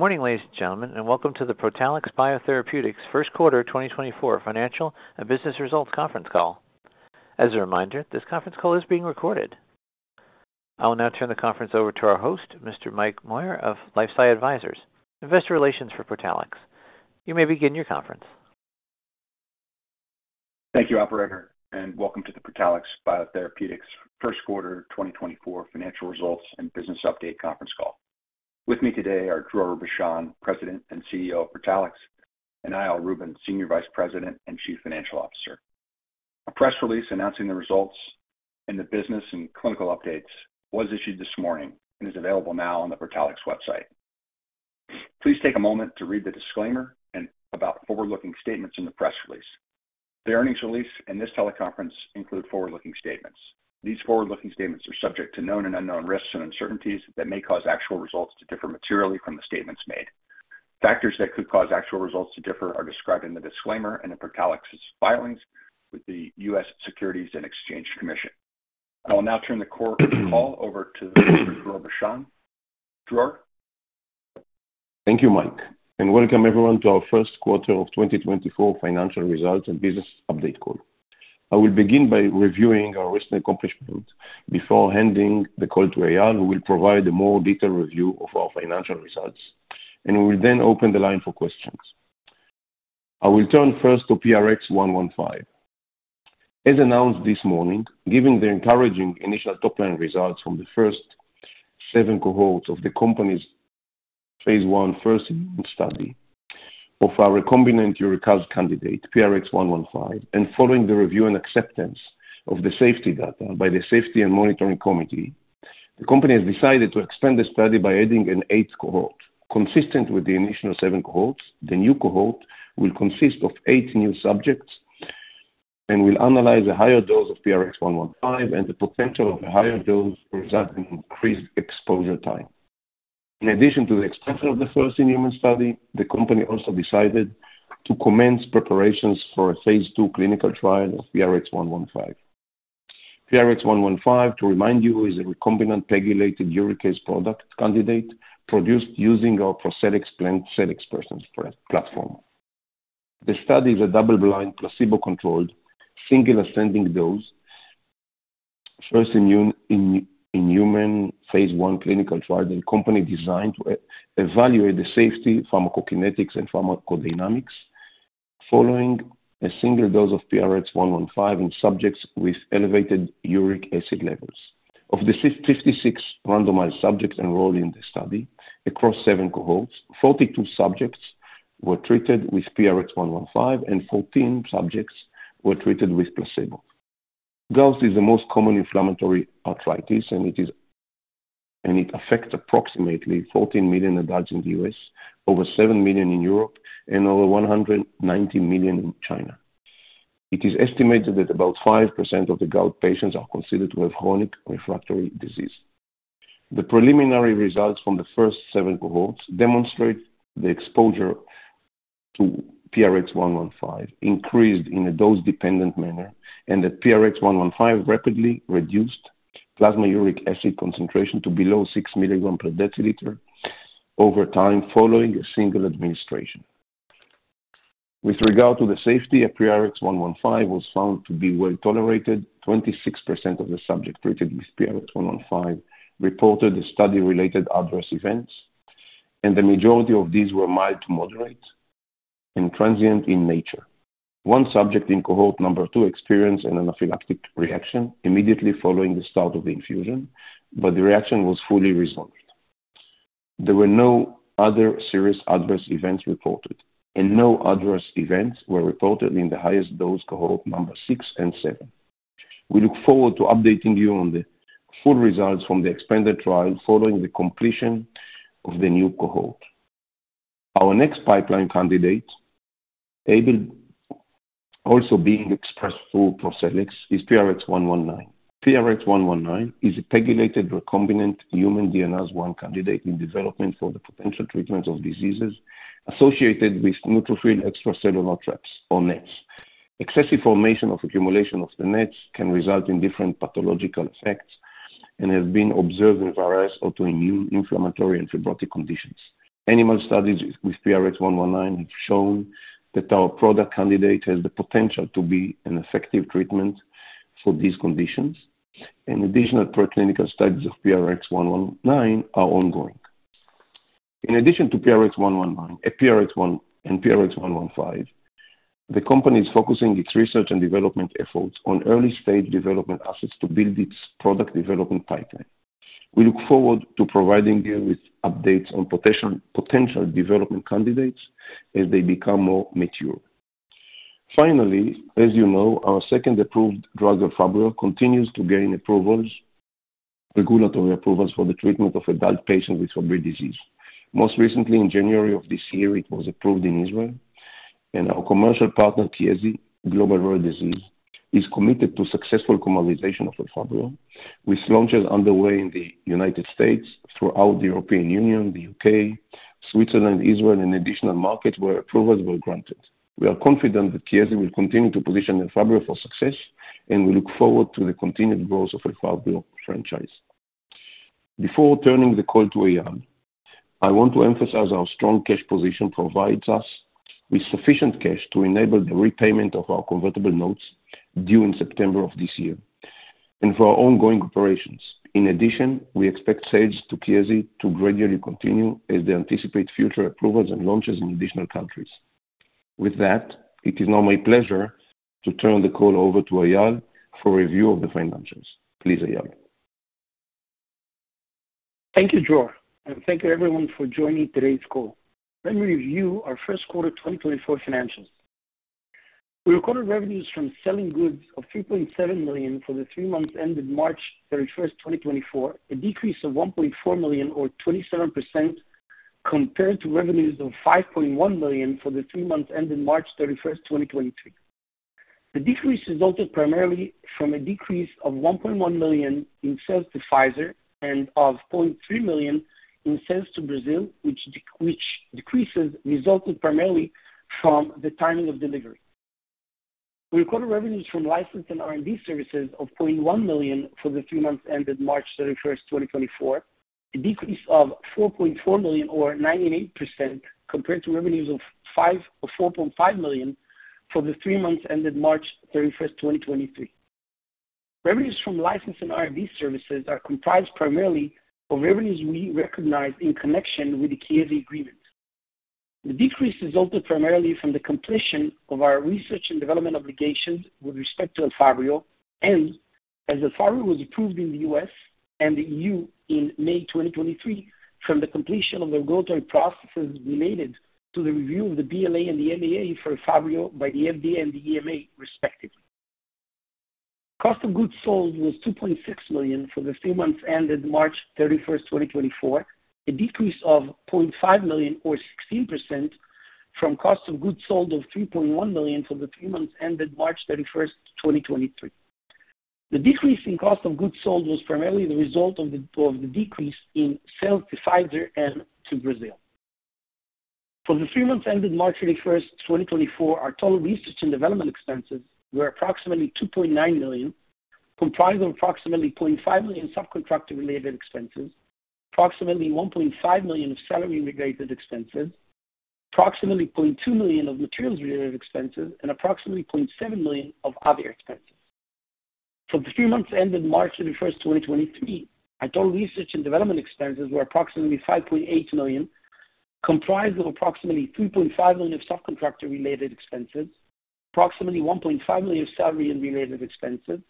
Good morning, ladies and gentlemen, and welcome to the Protalix BioTherapeutics first quarter 2024 financial and business results conference call. As a reminder, this conference call is being recorded. I will now turn the conference over to our host, Mr. Mike Moyer of LifeSci Advisors, investor relations for Protalix. You may begin your conference. Thank you, operator, and welcome to the Protalix BioTherapeutics first quarter 2024 financial results and business update conference call. With me today are Dror Bashan, President and CEO of Protalix, and Eyal Rubin, Senior Vice President and Chief Financial Officer. A press release announcing the results and the business and clinical updates was issued this morning and is available now on the Protalix website. Please take a moment to read the disclaimer and about forward-looking statements in the press release. The earnings release and this teleconference include forward-looking statements. These forward-looking statements are subject to known and unknown risks and uncertainties that may cause actual results to differ materially from the statements made. Factors that could cause actual results to differ are described in the disclaimer and in Protalix's filings with the U.S. Securities and Exchange Commission. I will now turn the call over to Dror Bashan. Dror? Thank you, Mike, and welcome everyone to our first quarter of 2024 financial results and business update call. I will begin by reviewing our recent accomplishments before handing the call to Eyal, who will provide a more detailed review of our financial results, and we will then open the line for questions. I will turn first to PRX-115. As announced this morning, given the encouraging initial top-line results from the first 7 cohorts of the company's Phase 1 first study of our recombinant uricase candidate, PRX-115, and following the review and acceptance of the safety data by the Safety and Monitoring Committee, the company has decided to extend the study by adding an eighth cohort. Consistent with the initial 7 cohorts, the new cohort will consist of 8 new subjects and will analyze a higher dose of PRX-115 and the potential of a higher dose resulting in increased exposure time. In addition to the expansion of the first-in-human study, the company also decided to commence preparations for a phase 2 clinical trial of PRX-115. PRX-115, to remind you, is a recombinant pegylated uricase product candidate produced using our ProCellEx plant cell expression platform. The study is a double-blind, placebo-controlled, single ascending dose first-in-human phase 1 clinical trial, the company designed to evaluate the safety, pharmacokinetics, and pharmacodynamics following a single dose of PRX-115 in subjects with elevated uric acid levels. Of the 56 randomized subjects enrolled in the study across 7 cohorts, 42 subjects were treated with PRX-115 and 14 subjects were treated with placebo. Gout is the most common inflammatory arthritis, and it affects approximately 14 million adults in the U.S., over 7 million in Europe, and over 190 million in China. It is estimated that about 5% of the gout patients are considered to have chronic refractory disease. The preliminary results from the first 7 cohorts demonstrate the exposure to PRX-115 increased in a dose-dependent manner, and that PRX-115 rapidly reduced plasma uric acid concentration to below 6 mg/dL over time following a single administration. With regard to the safety of PRX-115, it was found to be well tolerated. 26% of the subjects treated with PRX-115 reported the study-related adverse events, and the majority of these were mild to moderate and transient in nature. One subject in cohort number 2 experienced an anaphylactic reaction immediately following the start of the infusion, but the reaction was fully resolved. There were no other serious adverse events reported, and no adverse events were reported in the highest dose cohort, number 6 and 7. We look forward to updating you on the full results from the expanded trial following the completion of the new cohort. Our next pipeline candidate, also being expressed through ProCellEx, is PRX-119. PRX-119 is a pegylated recombinant human DNase I candidate in development for the potential treatment of diseases associated with neutrophil extracellular traps or NETs. Excessive formation of accumulation of the NETs can result in different pathological effects and has been observed in various autoimmune, inflammatory, and fibrotic conditions. Animal studies with PRX-119 have shown that our product candidate has the potential to be an effective treatment for these conditions, and additional preclinical studies of PRX-119 are ongoing. In addition to PRX-119 and PRX-115, the company is focusing its research and development efforts on early-stage development assets to build its product development pipeline. We look forward to providing you with updates on potential, potential development candidates as they become more mature. Finally, as you know, our second approved drug, Elfabrio, continues to gain approvals, regulatory approvals for the treatment of adult patients with Fabry disease. Most recently, in January of this year, it was approved in Israel, and our commercial partner, Chiesi Global Rare Diseases, is committed to successful commercialization of Elfabrio, with launches underway in the United States, throughout the European Union, the UK, Switzerland, Israel, and additional markets where approvals were granted. We are confident that Chiesi Global Rare Diseases will continue to position Elfabrio for success... and we look forward to the continued growth of Elfabrio franchise. Before turning the call to Eyal, I want to emphasize our strong cash position provides us with sufficient cash to enable the repayment of our convertible notes due in September of this year and for our ongoing operations. In addition, we expect sales to Chiesi to gradually continue as they anticipate future approvals and launches in additional countries. With that, it is now my pleasure to turn the call over to Eyal for review of the financials. Please, Eyal. Thank you, Dror, and thank you everyone for joining today's call. Let me review our first quarter 2024 financials. We recorded revenues from selling goods of $3.7 million for the three months ended March 31, 2024, a decrease of $1.4 million, or 27%, compared to revenues of $5.1 million for the three months ended March 31, 2023. The decrease resulted primarily from a decrease of $1.1 million in sales to Pfizer and of $0.3 million in sales to Brazil, which decreases resulted primarily from the timing of delivery. We recorded revenues from license and R&D services of $0.1 million for the three months ended March thirty-first, 2024, a decrease of $4.4 million or 98%, compared to revenues of $4.5 million for the three months ended March thirty-first, 2023. Revenues from license and R&D services are comprised primarily of revenues we recognize in connection with the Chiesi agreement. The decrease resulted primarily from the completion of our research and development obligations with respect to Elfabrio, and as Elfabrio was approved in the U.S. and the EU in May 2023, from the completion of the regulatory processes related to the review of the BLA and the NDA for Elfabrio by the FDA and the EMA, respectively. Cost of goods sold was $2.6 million for the three months ended March 31, 2024, a decrease of $0.5 million or 16%, from cost of goods sold of $3.1 million for the three months ended March 31, 2023. The decrease in cost of goods sold was primarily the result of the decrease in sales to Pfizer and to Brazil. For the three months ended March 31, 2024, our total research and development expenses were approximately $2.9 million, comprised of approximately $0.5 million subcontractor-related expenses, approximately $1.5 million of salary-related expenses, approximately $0.2 million of materials-related expenses, and approximately $0.7 million of other expenses. For the three months ended March 31, 2023, our total research and development expenses were approximately $5.8 million, comprised of approximately $3.5 million of subcontractor-related expenses, approximately $1.5 million of salary-related expenses,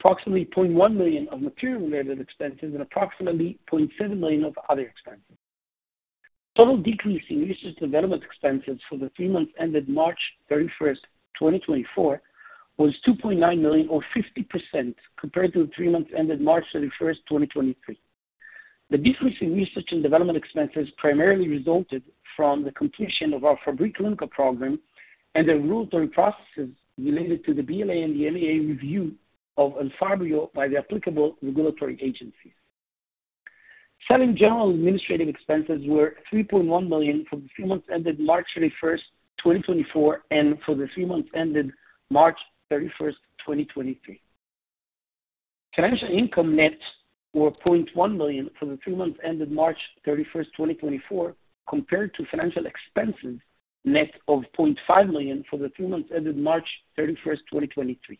approximately $0.1 million of material-related expenses, and approximately $0.7 million of other expenses. Total decrease in research and development expenses for the three months ended March 31, 2024, was $2.9 million, or 50%, compared to the three months ended March 31, 2023. The decrease in research and development expenses primarily resulted from the completion of our Fabry clinical program and the regulatory processes related to the BLA and the NDA review of Elfabrio by the applicable regulatory agencies. Selling, general, and administrative expenses were $3.1 million for the three months ended March 31, 2024, and for the three months ended March 31, 2023. Financial income net were $0.1 million for the three months ended March 31, 2024, compared to financial expenses net of $0.5 million for the three months ended March 31, 2023.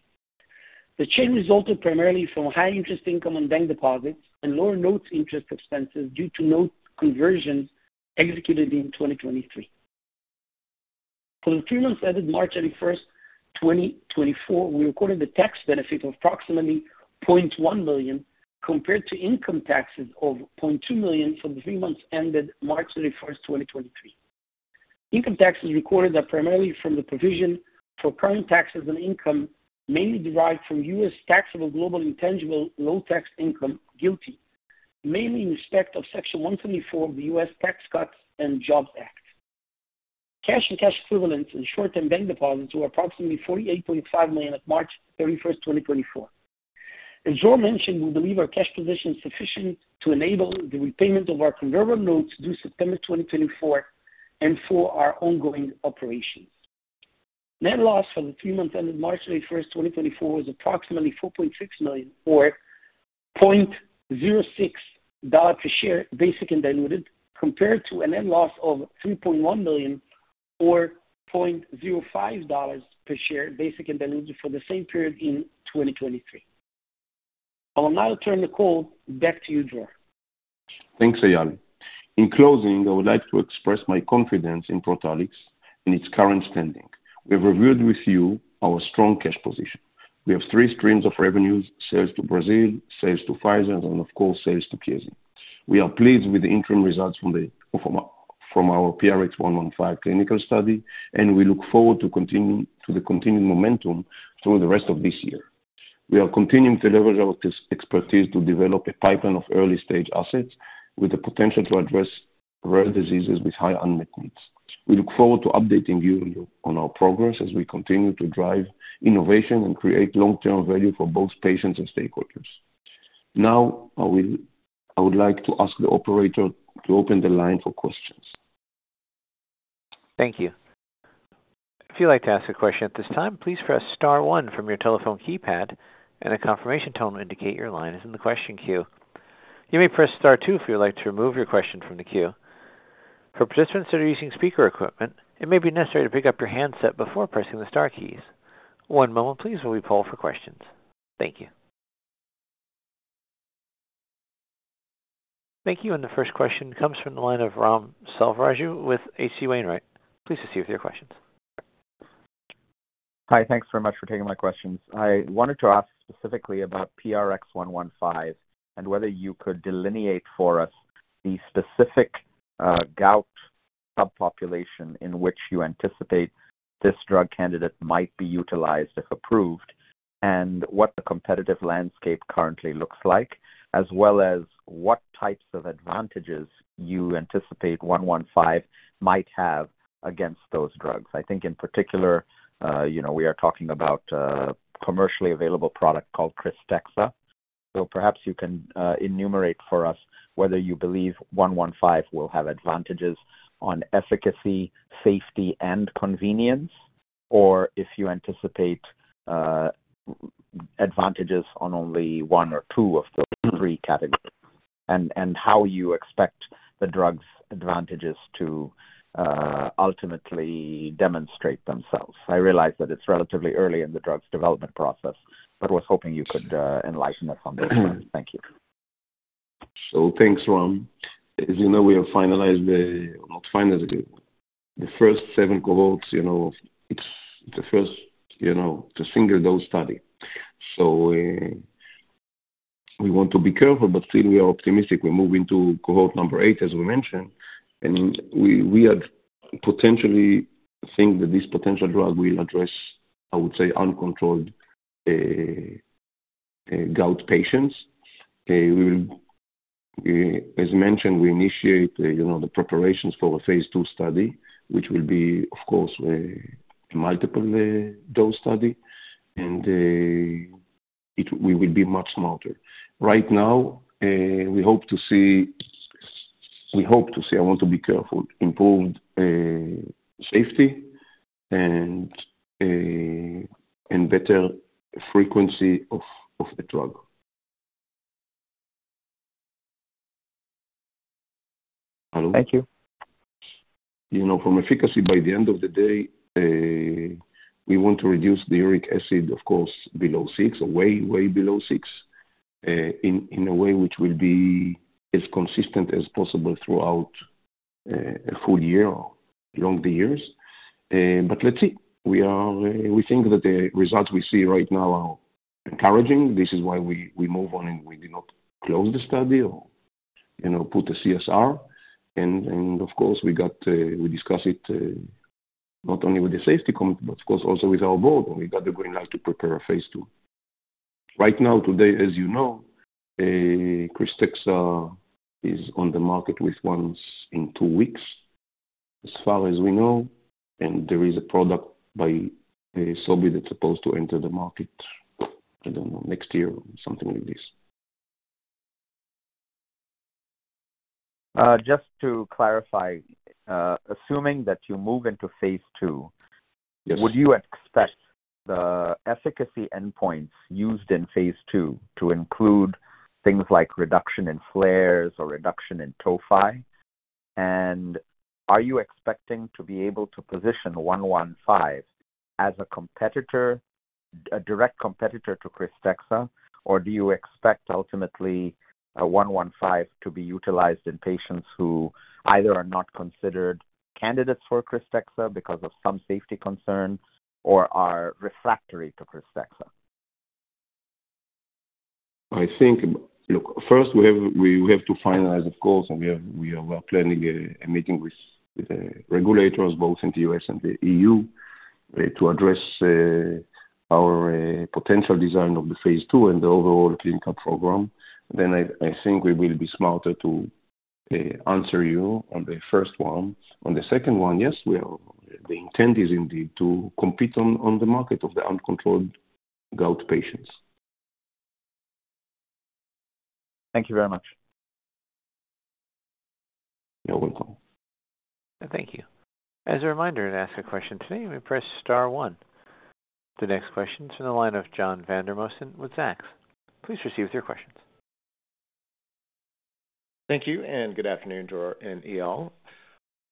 The change resulted primarily from high interest income on bank deposits and lower notes interest expenses due to note conversions executed in 2023. For the three months ended March 31, 2024, we recorded a tax benefit of approximately $0.1 million, compared to income taxes of $0.2 million for the three months ended March 31, 2023. Income taxes recorded are primarily from the provision for current taxes and income, mainly derived from US taxable global intangible low tax income, GILTI, mainly in respect of Section 174 of the U.S. Tax Cuts and Jobs Act. Cash and cash equivalents and short-term bank deposits were approximately $48.5 million at March 31, 2024. As Dror mentioned, we believe our cash position is sufficient to enable the repayment of our convertible notes due September 2024 and for our ongoing operations. Net loss for the three months ended March 31, 2024, was approximately $4.6 million, or $0.06 per share, basic and diluted, compared to a net loss of $3.1 million, or $0.05 per share, basic and diluted, for the same period in 2023. I will now turn the call back to you, Dror. Thanks, Eyal. In closing, I would like to express my confidence in Protalix in its current standing. We've reviewed with you our strong cash position. We have three streams of revenues, sales to Brazil, sales to Pfizer, and of course, sales to Chiesi. We are pleased with the interim results from our PRX-115 clinical study, and we look forward to the continued momentum through the rest of this year. We are continuing to leverage our expertise to develop a pipeline of early-stage assets with the potential to address rare diseases with high unmet needs. We look forward to updating you on our progress as we continue to drive innovation and create long-term value for both patients and stakeholders. Now, I would like to ask the operator to open the line for questions.... Thank you. If you'd like to ask a question at this time, please press star one from your telephone keypad, and a confirmation tone will indicate your line is in the question queue. You may press star two if you'd like to remove your question from the queue. For participants that are using speaker equipment, it may be necessary to pick up your handset before pressing the star keys. One moment please, while we poll for questions. Thank you. Thank you. And the first question comes from the line of Ram Selvaraju with H.C. Wainwright. Please proceed with your questions. Hi. Thanks very much for taking my questions. I wanted to ask specifically about PRX-115, and whether you could delineate for us the specific, gout subpopulation in which you anticipate this drug candidate might be utilized, if approved, and what the competitive landscape currently looks like, as well as what types of advantages you anticipate 115 might have against those drugs. I think in particular, you know, we are talking about a commercially available product called Krystexxa. So perhaps you can enumerate for us whether you believe 115 will have advantages on efficacy, safety, and convenience, or if you anticipate advantages on only one or two of the three categories, and how you expect the drug's advantages to ultimately demonstrate themselves. I realize that it's relatively early in the drug's development process, but was hoping you could enlighten us on this. Thank you. So thanks, Ram. As you know, we have finalized the, not finalized, the first 7 cohorts. You know, it's the first, you know, the single dose study. So, we want to be careful, but still we are optimistic. We're moving to cohort number 8, as we mentioned, and we are potentially think that this potential drug will address, I would say, uncontrolled gout patients. We will, as mentioned, initiate, you know, the preparations for a phase 2 study, which will be, of course, a multiple dose study, and we will be much smarter. Right now, we hope to see, I want to be careful, improved safety and better frequency of the drug. Thank you. You know, from efficacy, by the end of the day, we want to reduce the uric acid, of course, below 6, or way, way below 6, in a way which will be as consistent as possible throughout a full year or along the years. But let's see. We think that the results we see right now are encouraging. This is why we move on, and we do not close the study or, you know, put a CSR. And of course, we got, we discuss it, not only with the safety committee, but of course, also with our board, and we got the green light to prepare a phase 2. Right now, today, as you know, KRYSTEXXA is on the market with once in two weeks, as far as we know, and there is a product by Sobi that's supposed to enter the market, I don't know, next year, something like this. Just to clarify, assuming that you move into phase two- Yes. Would you expect the efficacy endpoints used in phase 2 to include things like reduction in flares or reduction in tophi? And are you expecting to be able to position 115 as a competitor, a direct competitor to KRYSTEXXA? Or do you expect, ultimately, 115 to be utilized in patients who either are not considered candidates for KRYSTEXXA because of some safety concerns or are refractory to KRYSTEXXA? I think, look, first, we have to finalize, of course, and we are planning a meeting with regulators both in the U.S. and the EU to address our potential design of the phase two and the overall cleanup program. Then I think we will be smarter to answer you on the first one. On the second one, yes, we are. The intent is indeed to compete on the market of the uncontrolled gout patients. Thank you very much. You're welcome. Thank you. As a reminder, to ask a question today, we press star one. The next question is from the line of John Vandermosten with Zacks. Please proceed with your questions. Thank you, and good afternoon to our NDL.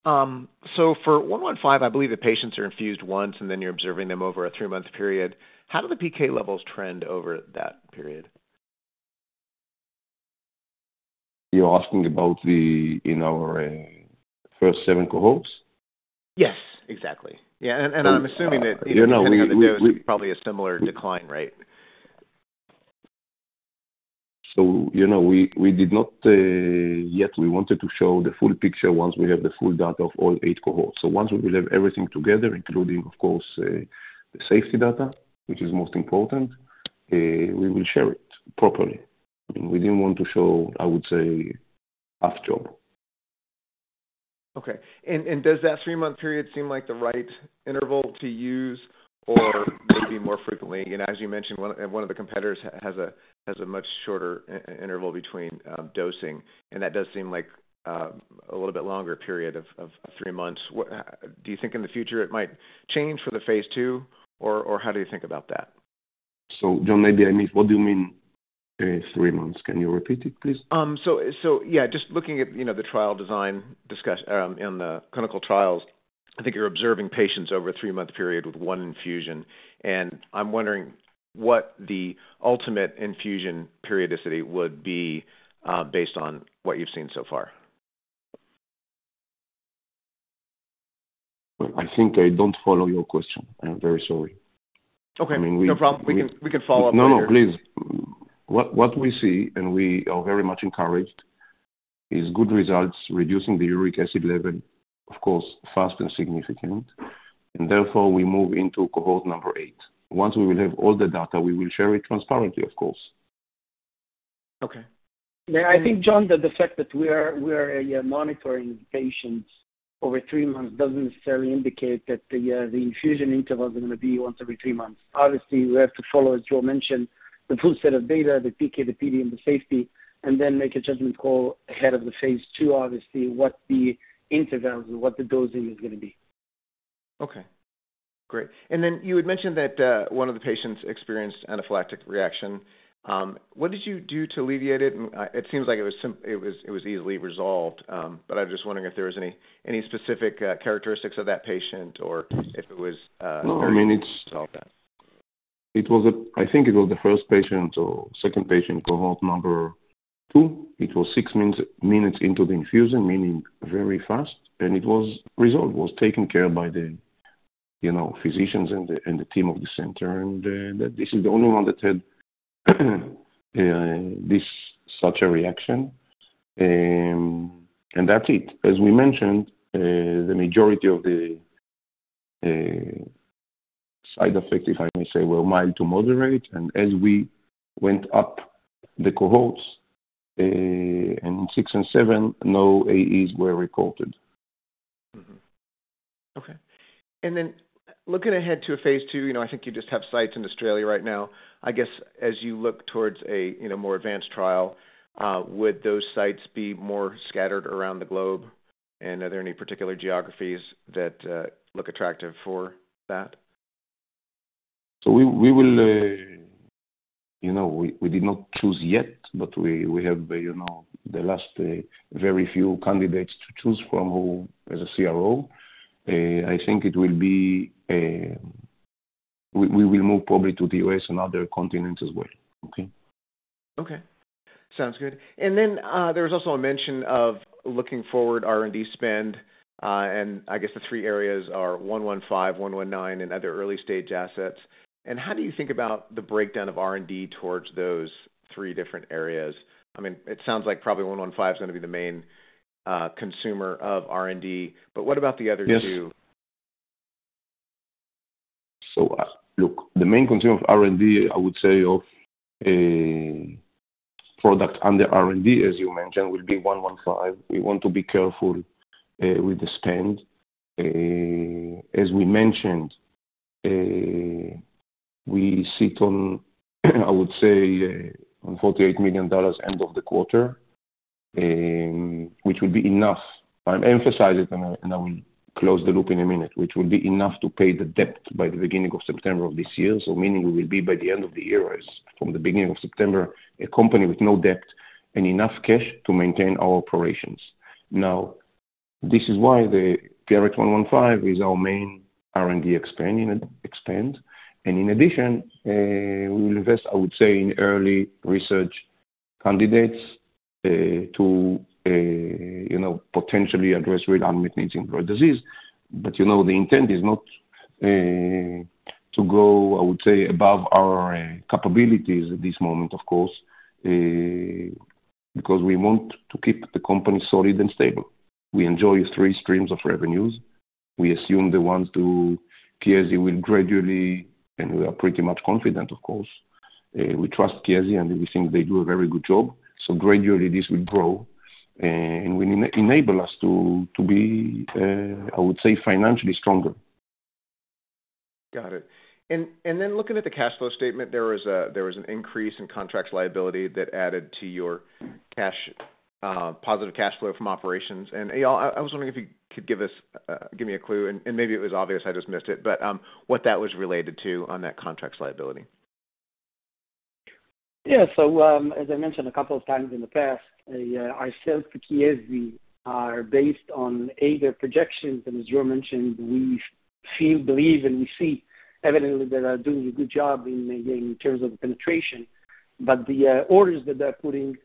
So, for 115, I believe the patients are infused once, and then you're observing them over a three-month period. How do the PK levels trend over that period? You're asking about the, in our, first seven cohorts? Yes, exactly. Yeah, and, and I'm assuming that- You know, we... depending on the dose, it's probably a similar decline, right? So, you know, we did not yet, we wanted to show the full picture once we have the full data of all eight cohorts. So once we will have everything together, including, of course, the safety data, which is most important, we will share it properly. We didn't want to show, I would say, half job. Okay. And does that three-month period seem like the right interval to use or maybe more frequently? You know, as you mentioned, one of the competitors has a much shorter interval between dosing, and that does seem like a little bit longer period of three months. What do you think in the future it might change for the phase 2, or how do you think about that?... So John, maybe I missed, what do you mean, three months? Can you repeat it, please? So yeah, just looking at, you know, the trial design discussion in the clinical trials, I think you're observing patients over a three-month period with one infusion. And I'm wondering what the ultimate infusion periodicity would be, based on what you've seen so far. I think I don't follow your question. I'm very sorry. Okay. I mean, we- No problem. We can, we can follow up later. No, no, please. What, what we see, and we are very much encouraged, is good results, reducing the uric acid level, of course, fast and significant, and therefore we move into cohort number 8. Once we will have all the data, we will share it transparently, of course. Okay. Yeah, I think, John, that the fact that we are monitoring patients over three months doesn't necessarily indicate that the infusion intervals are gonna be once every three months. Obviously, we have to follow, as Joe mentioned, the full set of data, the PK, the PD, and the safety, and then make a judgment call ahead of the phase two, obviously, what the intervals and what the dosing is gonna be. Okay, great. And then you had mentioned that one of the patients experienced anaphylactic reaction. What did you do to alleviate it? And it seems like it was it was easily resolved, but I was just wondering if there was any specific characteristics of that patient or if it was- No, I mean, it's- Solved then. It was. I think it was the first patient or second patient, cohort number 2. It was 6 minutes into the infusion, meaning very fast, and it was resolved. It was taken care of by the, you know, physicians and the team of the center. And this is the only one that had this such a reaction. And that's it. As we mentioned, the majority of the side effects, if I may say, were mild to moderate. And as we went up the cohorts, in 6 and 7, no AEs were recorded. Mm-hmm. Okay. And then looking ahead to a phase 2, you know, I think you just have sites in Australia right now. I guess as you look towards a, you know, more advanced trial, would those sites be more scattered around the globe? And are there any particular geographies that look attractive for that? So we will, you know, we did not choose yet, but we have, you know, the last very few candidates to choose from who, as a CRO, I think it will be, we will move probably to the US and other continents as well. Okay? Okay, sounds good. And then, there was also a mention of looking forward R&D spend, and I guess the three areas are 115, 119, and other early-stage assets. And how do you think about the breakdown of R&D towards those three different areas? I mean, it sounds like probably 115 is gonna be the main consumer of R&D, but what about the other two? Yes. So, look, the main consumer of R&D, I would say, of, product under R&D, as you mentioned, would be PRX-115. We want to be careful, with the spend. As we mentioned, we sit on, I would say, on $48 million end of the quarter, which would be enough. I emphasize it, and I, and I will close the loop in a minute, which will be enough to pay the debt by the beginning of September of this year. So meaning we will be by the end of the year, as from the beginning of September, a company with no debt and enough cash to maintain our operations. Now, this is why the PRX-115 is our main R&D expanding, expand. In addition, we will invest, I would say, in early research candidates, to, you know, potentially address with unmet need disease. You know, the intent is not to go, I would say, above our capabilities at this moment, of course, because we want to keep the company solid and stable. We enjoy three streams of revenues. We assume the ones to Chiesi will gradually, and we are pretty much confident, of course. We trust Chiesi, and we think they do a very good job. Gradually this will grow and will enable us to, to be, I would say, financially stronger. Got it. And then looking at the cash flow statement, there was an increase in contract liability that added to your cash, positive cash flow from operations. And, Eyal, I was wondering if you could give us, give me a clue and maybe it was obvious, I just missed it, but what that was related to on that contract's liability? Yeah. So, as I mentioned a couple of times in the past, our sales to Chiesi are based on either projections, and as Joe mentioned, we feel, believe, and we see evidently that are doing a good job in terms of penetration. But the orders that they're putting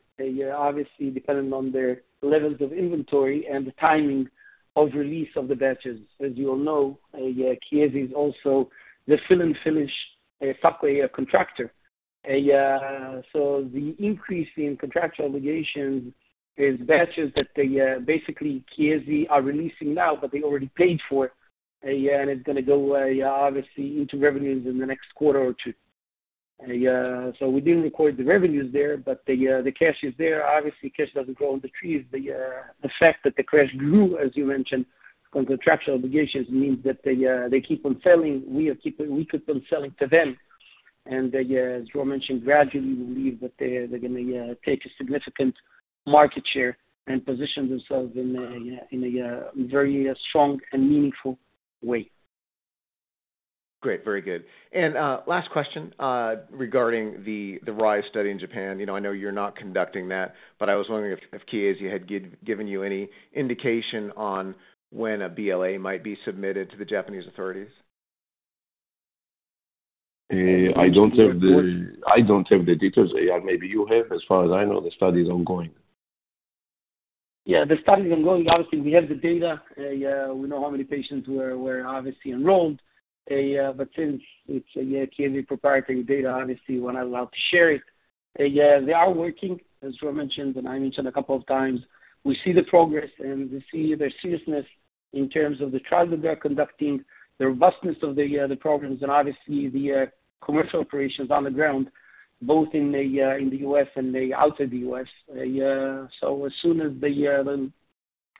obviously dependent on their levels of inventory and the timing of release of the batches. As you all know, Chiesi is also the fill and finish subcontractor. So the increase in contractual obligation is batches that they basically Chiesi are releasing now, but they already paid for it. Yeah, and it's gonna go obviously into revenues in the next quarter or two. So we didn't record the revenues there, but the cash is there. Obviously, cash doesn't grow on the trees. The fact that the cash grew, as you mentioned, from contractual obligations, means that they keep on selling. We keep on selling to them. And as Joe mentioned, gradually we believe that they are, they're gonna take a significant market share and position themselves in a very strong and meaningful way. Wait. Great, very good. And last question regarding the RISE study in Japan. You know, I know you're not conducting that, but I was wondering if Chiesi had given you any indication on when a BLA might be submitted to the Japanese authorities? I don't have the details. Eyal, maybe you have. As far as I know, the study is ongoing. Yeah, the study is ongoing. Obviously, we have the data. Yeah, we know how many patients were obviously enrolled. But since it's Chiesi proprietary data, obviously, we're not allowed to share it. Yeah, they are working, as Joel mentioned, and I mentioned a couple of times, we see the progress and we see their seriousness in terms of the trial that they are conducting, the robustness of the programs, and obviously, the commercial operations on the ground, both in the U.S. and outside the U.S. So as soon as they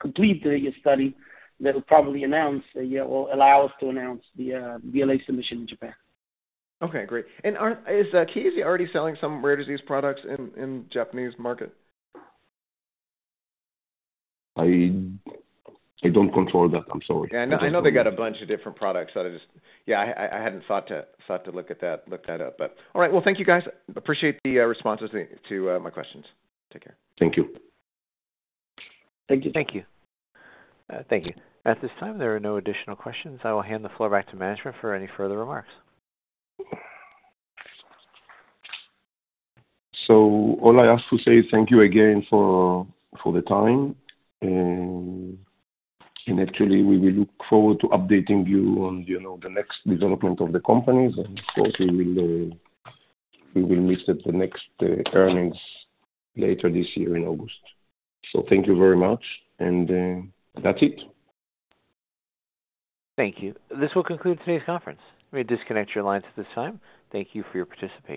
complete the study, they'll probably announce, yeah, or allow us to announce the BLA submission in Japan. Okay, great. Is Chiesi already selling some rare disease products in the Japanese market? I don't control that. I'm sorry. Yeah, I know they got a bunch of different products. I just... Yeah, I hadn't thought to look that up, but all right. Well, thank you, guys. Appreciate the responses to my questions. Take care. Thank you. Thank you. Thank you. Thank you. At this time, there are no additional questions. I will hand the floor back to management for any further remarks. So all I ask to say is thank you again for the time, and actually, we will look forward to updating you on, you know, the next development of the companies. And of course, we will meet at the next earnings later this year in August. So thank you very much, and that's it. Thank you. This will conclude today's conference. You may disconnect your lines at this time. Thank you for your participation.